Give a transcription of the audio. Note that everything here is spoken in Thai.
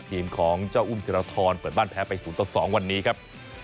ทีมของเจ้าอุ้มเทราทรเปิดบ้านแพ้ไปศูนย์ตัวสองวันนี้ครับ